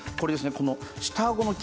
この下顎の牙。